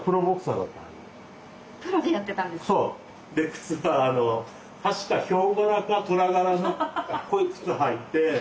靴は確かヒョウ柄かトラ柄のこういう靴履いて。